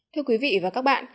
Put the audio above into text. thưa quý vị và các bạn